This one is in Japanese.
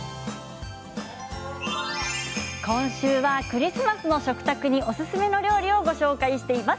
今週はクリスマスの食卓におすすめの料理をご紹介しています。